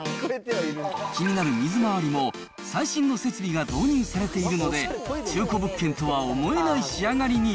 気になる水回りも、最新の設備が導入されているので、中古物件とは思えない仕上がりに。